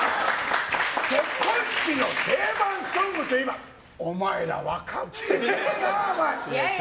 結婚式の定番ソングといえばお前ら、分かってねえな。